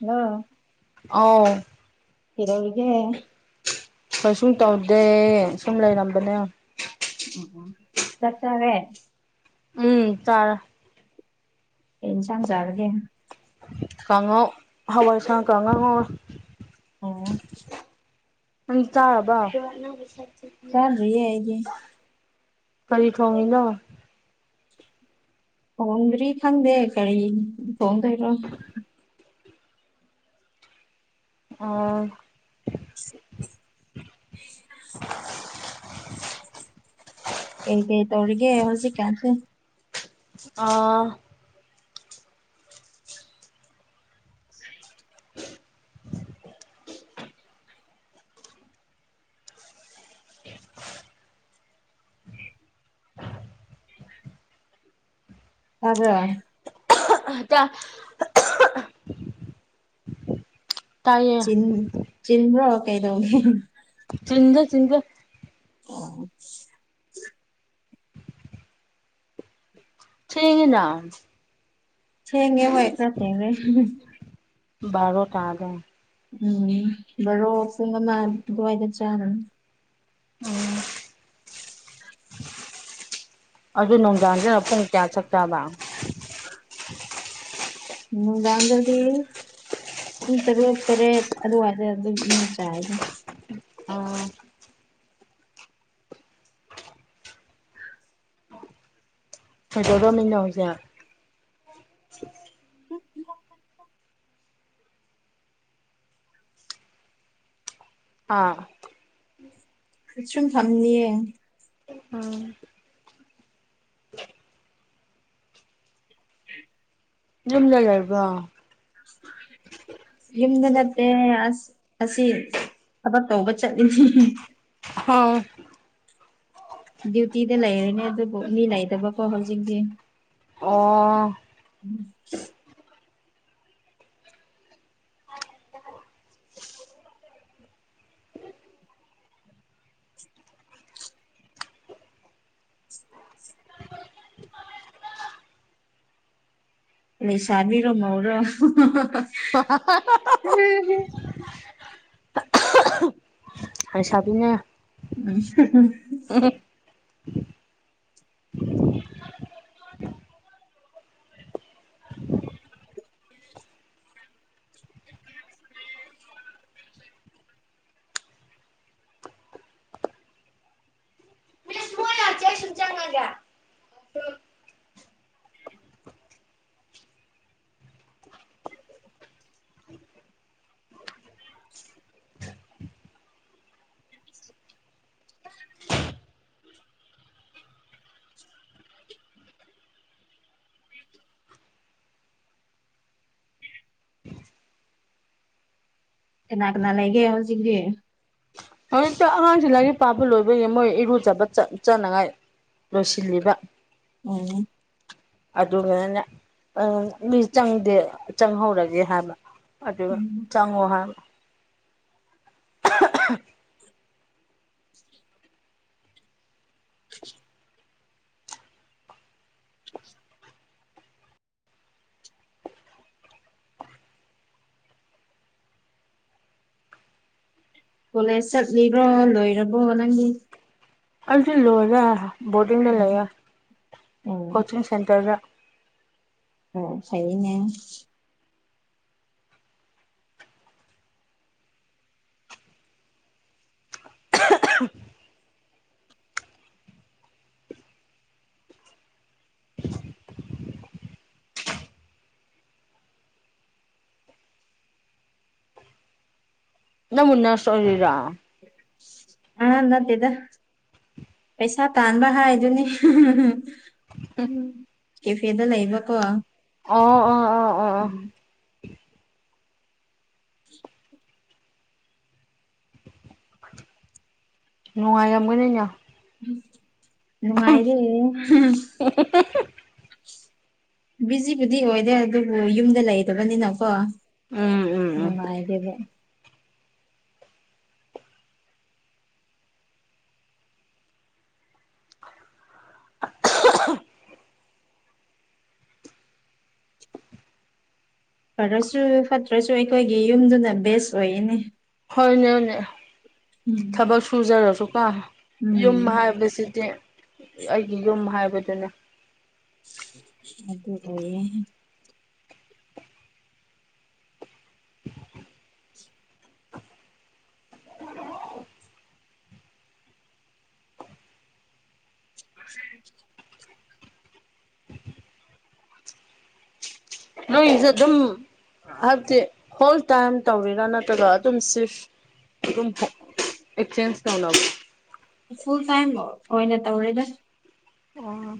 hello ꯑꯥꯎ ꯏꯔꯧꯒ ꯀꯩꯁꯨꯝ ꯇꯧꯗꯦ ꯁꯨꯝ ꯂꯩꯔꯝꯕꯅꯦ ꯎ ꯆꯠꯆꯔꯦ ꯎꯝ ꯆꯔ ꯑꯩ ꯏꯟꯁꯥꯡ ꯆꯥꯔꯒꯦ ꯀꯥꯡꯉꯧ ꯍꯋꯥꯏꯁꯥ ꯀꯥꯡꯉꯥ ꯑꯣ ꯎ ꯆꯥꯕ ꯀꯔꯤꯌꯦ ꯑꯩꯒꯤꯦ ꯀ ꯊꯣꯡꯉꯦꯅ ꯍꯣꯡꯗ꯭ꯔꯤ ꯈꯪꯗꯦ ꯀꯔꯤ ꯊꯣꯡꯗꯣꯏꯔꯣ ꯑꯣ ꯑꯩꯒꯦ ꯇꯧꯔꯒꯦ ꯍꯧꯖꯤ ꯀꯁꯤꯦ ꯑꯥ [unintelligible] [unintelligible] [unintelligible] ꯇꯕ꯭ꯔꯥ ꯇ ꯆꯤꯟ ꯆꯟ꯭ꯔꯣ ꯀꯩꯗꯧꯅꯤ ꯆꯖ ꯆꯤꯟꯖ ꯑꯣ ꯁꯤꯅꯤ ꯀꯩꯅꯣ ꯍꯦꯡꯦ ꯃꯣꯏꯁꯠꯇꯦꯡꯅꯦ ꯕꯥꯔꯣ ꯇꯒꯦ ꯎꯝ ꯏꯕꯣꯁꯏꯅ ꯆꯅ ꯑꯗꯨ ꯅꯨꯡꯗꯥꯡꯁꯤꯅ ꯄꯨꯡ ꯀꯌꯥ ꯆꯥꯛ ꯆꯥꯕ ꯎꯝ ꯥꯡꯗꯗꯤ ꯄꯨꯡ ꯇꯔꯔꯦꯛ ꯇꯔꯦꯠ ꯑꯗꯨꯋꯥꯏꯗ ꯑꯗꯨꯝ ꯏꯅ ꯆꯥꯏꯗꯣ ꯎꯝ ꯀꯩꯗꯧꯔꯃꯤꯅꯣ ꯍꯧꯖꯤꯛ ꯎ ꯑꯥ ꯀꯠ ꯁꯨꯝ ꯊꯝꯅꯤꯌꯦ ꯎꯝ ꯌꯝꯖ ꯂꯩꯔꯕ꯭ꯔꯣ [unintelligible] ꯌꯨꯝꯗ ꯅꯠꯇꯦ ꯑꯁ ꯑꯁꯤ ꯊꯕꯛ ꯇꯧꯕ ꯆꯠꯂꯤꯅꯤ ꯍꯥꯎ ꯗ꯭ꯌꯨꯇꯤꯗ ꯂꯩꯔꯅꯦ ꯑꯗꯨꯕꯨ ꯃꯤ ꯂꯩꯇꯕꯀꯣ ꯍꯧꯖꯤꯛꯇꯤ ꯑꯣ ꯎꯝ ꯏ ꯂꯩꯁꯥꯕꯤꯔꯣ ꯃꯧꯔ [unintelligible] ꯑ ꯍ ꯍ ꯑꯩꯁꯕꯤꯅꯦ ꯎꯝ [unintelligible] ꯃꯤꯁꯨꯃ ꯌꯥ ꯆꯦ ꯁꯟ ꯆꯪꯉ [unintelligible] ꯀꯅꯥ-ꯀꯅꯥ ꯂꯩꯒꯦ ꯍꯧꯖꯤꯛꯇꯤ ꯍꯧꯖꯤꯛꯇ ꯑꯉꯥꯡꯁꯤ ꯂꯥꯏꯔꯤꯛ ꯄꯥꯕ ꯂꯣꯏꯕꯒꯤ ꯃꯣꯏ ꯏꯔꯨꯖꯕ ꯆ ꯆꯅꯉꯥꯏ ꯂꯣꯏꯁꯤꯜꯂꯤꯕ ꯎꯝ ꯑꯗꯨꯅꯦ ꯃꯤ ꯆꯪꯗꯦ ꯆꯪꯍꯧꯔꯒꯦ ꯍꯥꯏꯕ ꯑꯗꯨꯒ ꯆꯪꯉꯨ ꯍꯥꯏꯕ [inaudible] ꯀꯣꯂꯦꯖ ꯆꯠꯂꯤꯕ꯭ꯔꯣ ꯂꯣꯏꯔꯕꯣ ꯅꯪꯒꯤ ꯑꯩꯁꯨ ꯂꯣꯏꯔꯦ ꯕꯣꯔꯗꯤꯡꯗ ꯂꯩꯔꯦ ꯑꯣ ꯀꯣꯆꯤꯡ ꯁꯦꯟꯇꯔꯗ ꯑꯣ ꯐꯥꯏꯅꯦ ꯑ ꯈꯪ ꯅꯪꯕꯨ ꯅꯔ꯭ꯁ ꯑꯣꯏꯔꯤꯔ ꯑ ꯅꯠꯇꯦꯗ ꯄꯩꯁꯥ ꯇꯥꯟꯕ ꯍꯥꯏꯗꯨꯅꯤ ꯀꯦꯐꯦꯗ ꯂꯩꯕꯀꯣ ꯑꯣ ꯑꯣ ꯑꯣ ꯑꯣ ꯎꯝ ꯎꯝ ꯅꯅꯨꯡꯉꯉꯒꯅꯦ ꯅꯨꯡꯉꯥꯏꯔꯦ ꯍꯝ ꯍꯝ ꯍꯝ ꯍꯝ ꯍꯝ ꯕꯤꯖꯤꯕꯨꯗꯤ ꯑꯣꯏꯗꯦ ꯑꯗꯨꯕꯨ ꯌꯨꯝꯗ ꯂꯩꯗꯕꯅꯤꯅꯀꯣ ꯎꯝ ꯎꯝ ꯎꯝ ꯅꯨꯡꯉꯥꯏꯔꯤꯕ ꯑ ꯈꯨ ꯐꯔꯁꯨ ꯐꯠꯇ꯭ꯔꯁꯨ ꯑꯩꯈꯣꯏꯒꯤ ꯌꯨꯝꯗꯨꯗ ꯕꯦꯁ ꯑꯣꯏꯌꯦꯅꯦ ꯍꯣꯏꯅꯦꯣꯏꯅꯦ ꯎꯝ ꯊꯕꯛ ꯁꯨꯖꯔꯁꯨ ꯀꯥ ꯌꯨꯝ ꯎꯝ ꯍꯥꯏꯕꯁꯤ ꯗꯤ ꯑꯩꯒꯤ ꯌꯨꯝ ꯍꯥꯏꯕꯗꯨꯅꯦ ꯑꯗꯨ ꯇꯑꯌꯦ ꯎꯝ ꯅꯣꯏꯁꯦ ꯑꯗꯨꯝ ꯍꯥꯏꯕꯗꯤ ꯑꯣꯜ ꯇꯥꯏꯝ ꯇꯧꯔꯤꯔꯥ ꯅꯠꯇ꯭ꯔꯒ ꯑꯗꯨꯝ ꯁꯤꯐ ꯑꯦꯆꯦꯟꯖ ꯇꯧ ꯂ ꯐꯨꯜ ꯇꯥꯏꯝ ꯑꯣꯏꯅ ꯇꯧꯔꯦꯗ ꯑꯣ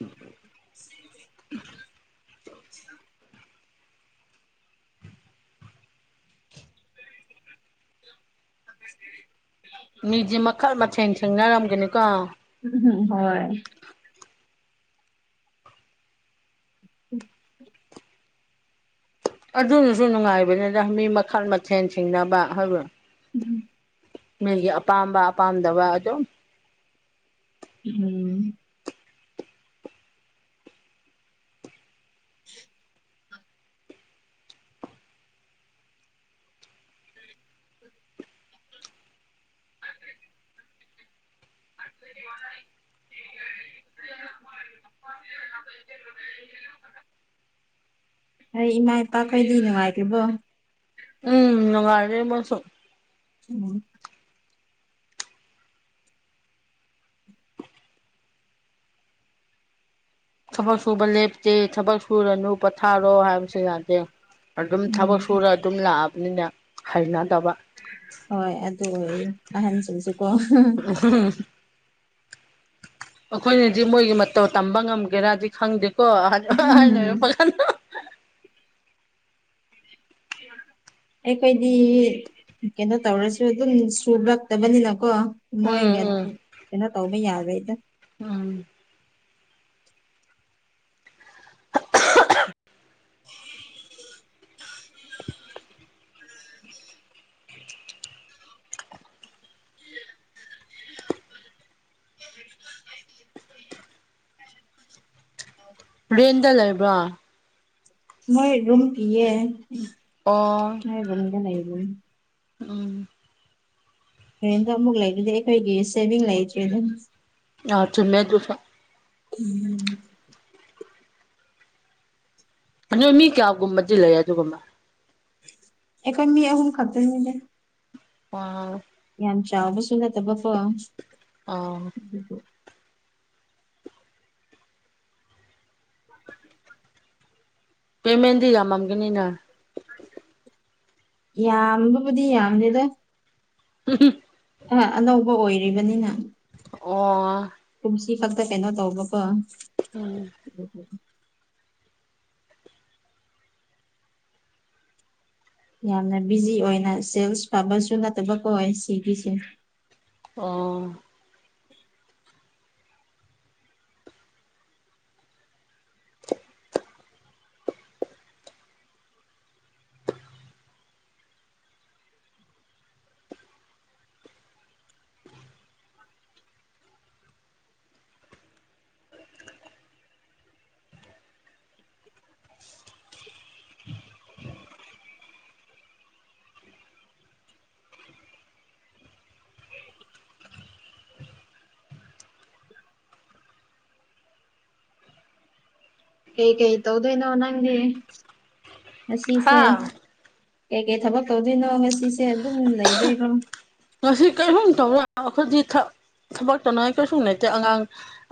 ꯎꯝ ꯑꯆꯥ [inaudible] ꯃꯤꯗꯤ ꯃꯈꯜ-ꯃꯊꯦꯜ ꯊꯦꯡꯅꯔꯝꯒꯅꯤꯀꯣ ꯎꯝꯝ ꯍꯣꯏ ꯎꯝ ꯑꯗꯨꯅꯁꯨ ꯅꯨꯡꯉꯥꯏꯕꯅꯤꯗ ꯃꯤ ꯃꯈꯜ-ꯃꯊꯦꯜ ꯊꯦꯡꯅꯕ ꯍꯥꯏꯕ ꯎꯝ ꯍꯝ ꯃꯒꯤꯄꯥꯥꯝꯝꯕꯄꯥꯥꯝꯗ ꯋꯥꯖꯣ ꯎꯝ [unintelligible] [unintelligible] ꯑꯗꯨ [inaudible] [inaudible] ꯑꯩ ꯏꯃꯥ ꯏꯄꯥꯈꯩꯗꯤ ꯅꯨꯡꯉꯥꯏꯇꯦꯕꯣ ꯎꯝ ꯑꯔ ꯃꯁꯨꯣ ꯎꯝ ꯊꯕꯛ ꯁꯨꯕ ꯂꯦꯞꯇꯦ ꯊꯕꯛ ꯁꯨꯔꯅꯨ ꯄꯊꯥꯔꯣ ꯍꯥꯏꯕ ꯁꯨꯕꯁꯨ ꯌꯥꯗꯦ ꯑꯗꯨꯝ ꯊꯕꯛ ꯎꯝ ꯁꯨꯔ ꯑꯗꯨꯝ ꯂꯥꯛꯑꯕꯅꯤꯅ ꯍꯩꯅꯗꯕ ꯍꯣꯏ ꯑꯗꯨ ꯑꯣꯏ ꯑꯍꯟꯁꯤꯡꯁꯤꯀꯣ ꯑꯩꯈꯣꯏꯅꯗꯤ ꯃꯣꯏꯒꯤ ꯃꯇꯧ ꯇꯝꯕ ꯉꯝꯒꯦꯔꯥꯗꯤ ꯈꯪꯗꯦꯀꯣ ꯑꯍ ꯎꯝ ꯐꯖ ꯑꯩꯈꯣꯏꯗꯤ ꯀꯩꯅꯣ ꯇꯧꯔꯁꯨ ꯑꯗꯨꯝ ꯁꯨꯔꯨꯔ ꯐꯠꯇꯕꯅꯤꯅꯀꯣ ꯎꯝ ꯃꯣꯏꯒ ꯎꯝ ꯀꯩꯅꯣ ꯇꯧꯕ ꯌꯥꯔꯣꯏꯗ ꯎꯝ ꯔꯦꯟꯗ ꯂꯩꯕ꯭ꯔ ꯃꯣꯏ ꯔꯨꯝ ꯄꯤꯌꯦ ꯑꯣ ꯕꯒ ꯂꯩꯕ ꯎꯝ ꯍꯣꯔꯦꯟꯗꯣ ꯑꯃꯨꯛ ꯂꯩꯕꯗꯤ ꯑꯩꯈꯣꯏꯒꯤ ꯁꯦꯚꯤꯡ ꯂꯩꯇ꯭ꯔꯦ ꯑꯗꯨꯝ ꯑꯥꯎ ꯆꯨꯝꯃꯦ ꯑꯗꯨꯁꯨ ꯎꯝ ꯑꯗꯣ ꯃꯤ ꯀꯌꯥꯒꯨꯝꯕꯗꯤ ꯂꯩ ꯑꯗꯨꯒꯨꯝꯕ ꯑꯩꯈꯣꯏ ꯃꯤ ꯑꯍꯨꯝ ꯈꯛꯇꯅꯤꯗ ꯑ ꯌꯥꯝ ꯆꯥꯎꯕꯁꯨ ꯅꯠꯇꯕ ꯕꯀꯣ ꯑꯥꯎ ꯎ ꯍ [inaudible] ꯄꯦꯃꯦꯟꯗꯤ ꯌꯥꯝꯃꯝꯒꯅꯤꯅ ꯌꯥꯝꯕꯕꯨꯗꯤ ꯌꯥꯝꯗꯦꯗ ꯎ ꯑ ꯑꯅꯧꯕ ꯑꯣꯏꯔꯤꯕꯅꯤꯅ ꯑꯣ ꯀꯨꯝꯁꯤ ꯈꯛꯇ ꯀꯩꯅꯣ ꯇꯧꯕꯀꯣ ꯎꯝ ꯎꯝ ꯎꯝ ꯌꯥꯝꯅ ꯕꯤꯖꯤ ꯑꯣꯏꯅ ꯁꯦꯜꯁ ꯐꯕꯁꯨ ꯅꯠꯇꯕ ꯀ ꯑꯣꯏ ꯁꯤꯒꯤꯁꯦ ꯑꯣ ꯀꯩ-ꯀꯩ ꯇꯧꯗꯣꯏꯅꯣ ꯅꯪꯗꯤ ꯉꯁꯤꯁꯦ ꯍꯥ ꯀꯩ-ꯀꯩ ꯊꯕꯛ ꯇꯧꯗꯣꯏꯅꯣ ꯉꯁꯤꯁꯦ ꯑꯗꯨꯝ ꯂꯩꯗꯣꯏꯔꯣ ꯉꯁꯤ ꯀꯩꯁꯨꯝ ꯇꯧꯔ ꯑꯩꯈꯣꯏꯗꯤ ꯊꯕꯛ ꯇꯧꯅꯤꯡꯉꯥꯏ ꯀꯩꯁꯨꯝ ꯂꯩꯇꯦ ꯑꯉꯥꯡ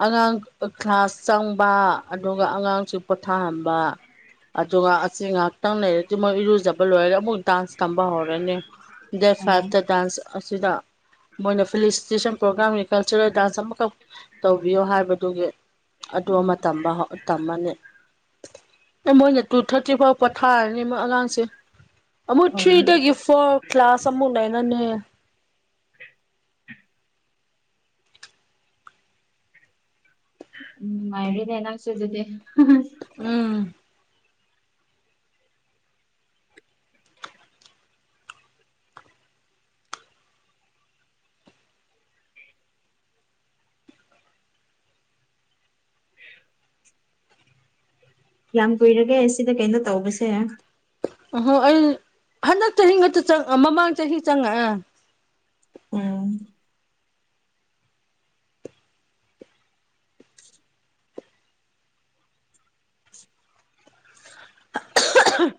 ꯑꯉꯥꯡ ꯀ꯭ꯂꯥꯁ ꯆꯪꯕ ꯑꯗꯨꯒ ꯑꯉꯥꯡꯁꯨ ꯄꯣꯊꯥꯍꯟꯕ ꯑꯗꯨꯒ ꯑꯁꯤ ꯉꯥꯛꯇꯪ ꯂꯩꯔ ꯃꯣꯏ ꯏꯔꯨꯖꯕ ꯂꯣꯏꯔꯒ ꯑꯃꯨꯛ ꯗꯥ꯭ꯟꯁ ꯇꯝꯕ ꯍꯧꯔꯅꯤ ꯗꯦꯠ ꯐꯥꯏꯚꯇ ꯗꯥ꯭ꯟꯁ ꯑꯁꯤꯗ ꯃꯣꯏꯅ ꯐꯦꯂꯤꯁꯤꯇꯦꯁꯟ ꯄ꯭ꯔꯣꯒ꯭ꯔꯥꯝꯒꯤ ꯀꯜꯆꯔꯦꯜ ꯗꯥꯟꯁ ꯑꯃꯈꯛ ꯇꯧꯕꯤꯌꯣ ꯍꯥꯏꯕꯗꯨꯒꯤ ꯑꯗꯨ ꯑꯃꯝꯕ ꯇꯝꯃꯅꯤ ꯑꯦ ꯃꯣꯏꯅ ꯇꯨ ꯊꯥꯔꯇꯤ ꯐꯥꯎ ꯄꯣꯊꯥꯔꯅꯤ ꯃꯣꯏ ꯑꯉꯥꯡꯁꯦ ꯑꯃꯨꯛ ꯑꯣ ꯊ꯭ꯔꯤꯗꯒꯤ ꯐꯣꯔ ꯀ꯭ꯂꯥꯁ ꯑꯃꯨꯛ ꯂꯩꯅꯅꯦ ꯎꯝ ꯃꯥꯏꯔꯤꯅꯦ ꯅꯅꯥꯁꯨꯣꯏꯗꯗꯤꯦ ꯎꯝ ꯀꯌꯥꯝ ꯀꯨꯏꯔꯒꯦ ꯁꯤꯗ ꯀꯩꯅꯣ ꯇꯧꯕꯁꯦ ꯑꯍꯣ ꯑꯩ ꯍꯟꯗꯛ ꯆꯍꯤ ꯉꯇ ꯆꯪ ꯃꯃꯥꯡ ꯆꯍꯤ ꯆꯪꯉꯛꯑ ꯎꯝ ꯑ ꯍꯥ ꯑ ꯍꯝ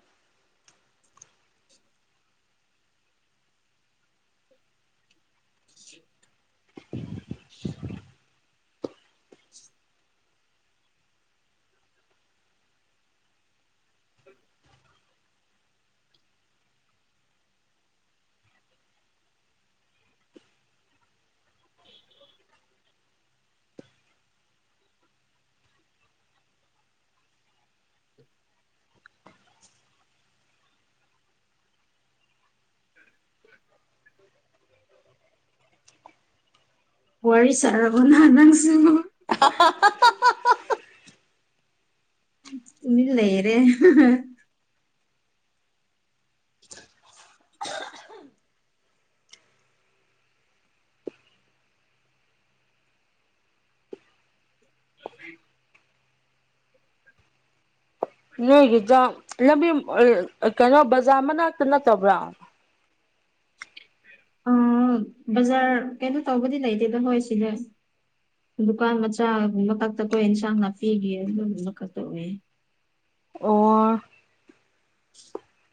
ꯎ ꯎꯝ ꯋꯥꯔꯤ ꯁꯔꯕꯣꯅ ꯅꯪꯁꯨ ꯑ ꯍꯥ ꯑꯍꯥ ꯏꯂ ꯌꯦꯔꯦ ꯑꯗꯨ ꯅꯣꯏꯒꯤꯗ ꯂꯝꯕꯤ ꯀꯩꯅꯣ ꯕꯖꯥꯔ ꯃꯅꯥꯛꯇ ꯅꯠꯇꯕ꯭ꯔꯥ ꯑ ꯕꯖꯥꯔ ꯀꯩꯅꯣ ꯇꯧꯕꯗꯤ ꯂꯩꯇꯦꯗ ꯍꯣꯏ ꯁꯤꯅꯦ ꯗꯨꯀꯥꯟ ꯃꯆꯥꯒꯨꯝꯕ ꯈꯛꯇ ꯀꯣꯏ ꯑꯦꯟꯁꯥꯡ ꯅꯥꯄꯤꯒꯤ ꯑꯗꯨꯒꯨꯝꯕ ꯈꯛꯇ ꯑꯣꯏꯌꯦ ꯑꯣ [unintelligible]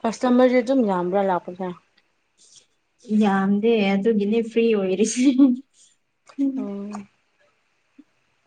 ꯀꯁꯇꯃꯔꯁ ꯑꯗꯨꯝ ꯌꯥꯥ꯭ꯔꯥ ꯂꯥꯛꯗ ꯌꯥꯝꯗꯦ ꯑꯗꯨꯒꯤꯅꯦ ꯐ꯭ꯔꯤ ꯑꯣꯏꯔꯤꯁ ꯎꯝ